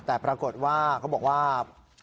แต่ปรากฏว่าเขาบอกว่า